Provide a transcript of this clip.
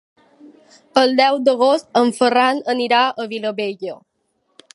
El deu d'agost en Ferran anirà a Vilabella.